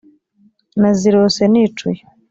nazirose nicuye